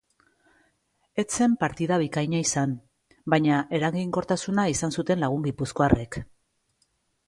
Ez zen partida bikaina izan, baina eraginkortasuna izan zuten lagun gipuzkoarrek.